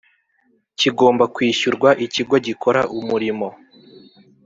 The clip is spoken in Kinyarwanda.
kigomba kwishyurwa Ikigo gikora umurimo